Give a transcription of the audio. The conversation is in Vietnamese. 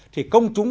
thì công chúng